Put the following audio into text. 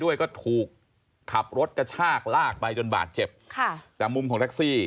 ด้วยก็ถูกขับรถกระชากลากไปจนบาดเจ็บค่ะแต่มุมของแท็กซี่